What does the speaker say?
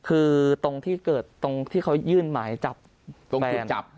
คือตรงที่เกิดตรงที่เขายื่นหมายจับแฟน